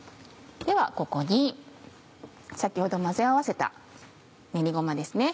ではここに先ほど混ぜ合わせた練りごまですね。